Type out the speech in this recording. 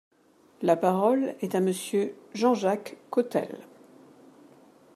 La parole est à Monsieur Jean-Jacques Cottel.